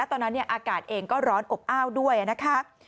และตอนนั้นอากาศเองก็ร้อนอบอ้าวด้วยนะคะ